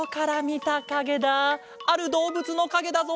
あるどうぶつのかげだぞ。